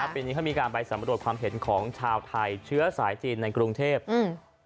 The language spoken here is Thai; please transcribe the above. ปีนี้เขามีการไปสำรวจความเห็นของชาวไทยเชื้อสายจีนในกรุงเทพอืม